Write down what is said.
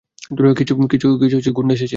কিছু গুন্ডা এসেছিলো।